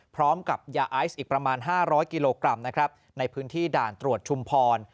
พร้อมกับยาไอซ์อีกประมาณ๕๐๐กิโลกรัมนะครับในพื้นที่ด่านตรวจชุมพร